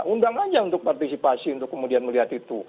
undang aja untuk partisipasi untuk kemudian melihat itu